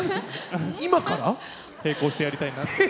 今から⁉並行してやりたいなって。